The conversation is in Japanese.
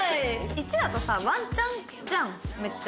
１だとさワンチャンじゃんめっちゃ。